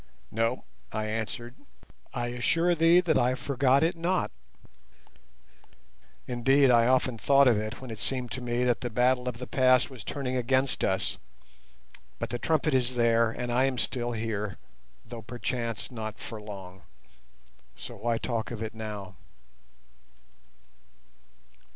"No," I answered, "I assure thee that I forgot it not; indeed, I often thought of it when it seemed to me that the battle of the Pass was turning against us; but the trumpet is there, and I am still here, though perchance not for long, so why talk of it now?"